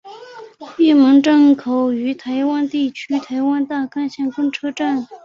玉门路站站是位于台湾台中市西屯区的台湾大道干线公车站。